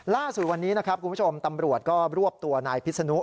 ล่าสุดวันนี้นะครับตำรวจก็รวบตัวนายพิษฎนุ